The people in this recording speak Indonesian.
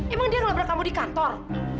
emang dia yang ngebel kamu di kantor